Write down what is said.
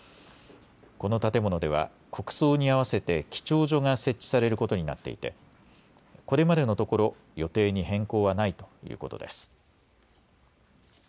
この建物では国葬に合わせて記帳所が設置されることになっていてこれまでのところ予定に変更はないということです。